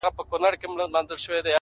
وخت د ژمنتیا تله ده!